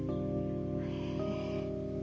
へえ。